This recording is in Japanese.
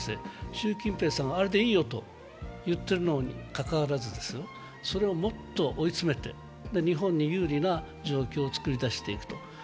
習近平さん、あれでいいよと言ってるにもかかわらず、それをもっと追い詰めて日本に有利な状況を作り出していく。